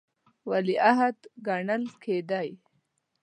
ولیعهد ګڼل کېدی.